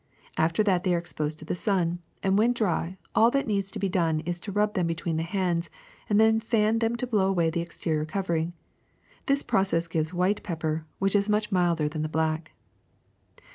After that they are ex posed to the sun and, when dry, all that needs to be done is to rub them be tween the hands and then fan them to blow away the exterior covering. This process gives white pep per, which is much milder than the black.